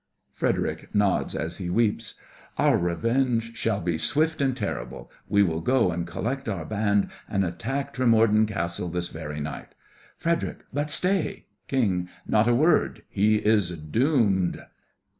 (FREDERIC nods as he weeps) Our revenge shall be swift and terrible. We will go and collect our band and attack Tremorden Castle this very night. FREDERIC: But stay— KING: Not a word! He is doomed!